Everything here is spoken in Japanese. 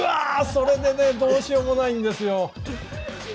それでねどうしようもないんですよ。